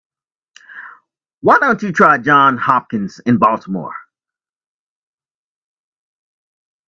Why don't you try Johns Hopkins in Baltimore?